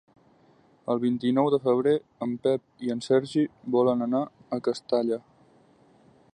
El vint-i-nou de febrer en Pep i en Sergi volen anar a Castalla.